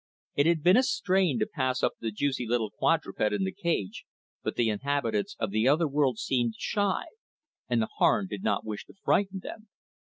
It had been a strain to pass up the juicy little quadruped in the cage, but the inhabitants of the other world seemed shy, and the Harn did not wish to frighten them.